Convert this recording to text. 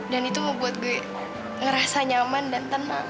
dan itu mau buat gue ngerasa nyaman dan tenang